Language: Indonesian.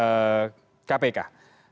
oke terima kasih